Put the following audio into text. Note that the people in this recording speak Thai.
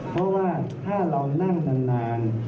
เพราะว่าถ้าเรานั่งนาน